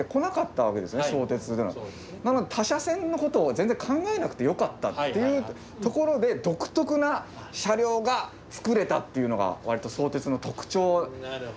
他社線のことを全然考えなくてよかったっていうところで独特な車両がつくれたっていうのがわりと相鉄の特徴なんですよ。